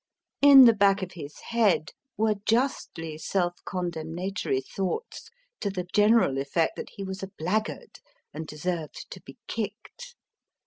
In the back of his head were justly self condemnatory thoughts, to the general effect that he was a blackguard and deserved to be kicked.